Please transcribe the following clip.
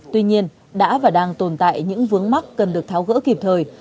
tuy nhiên đã và đang tồn tại những vướng mắc cần được tháo gỡ kịp thời